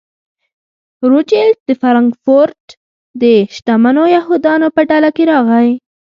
روچیلډ د فرانکفورټ د شتمنو یهودیانو په ډله کې راغی.